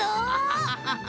ハハハハ！